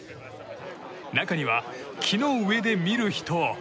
中には、木の上で見る人。